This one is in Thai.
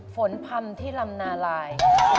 ฝนพรรณที่ลำนาลาย